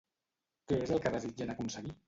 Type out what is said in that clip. Què és el que desitgen aconseguir?